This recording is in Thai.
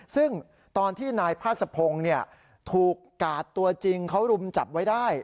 ซึ่งตอนที่นายพาสะพงศ์ถูกกาดตัวจริงเขารุมจับไว้ได้